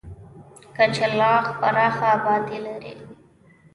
کچلاغ پراخه آبادي لري.